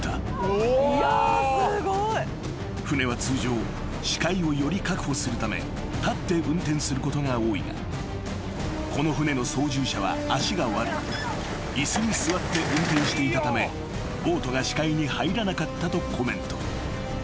［船は通常視界をより確保するため立って運転することが多いがこの船の操縦者は足が悪く椅子に座って運転していたためボートが視界に入らなかったとコメント］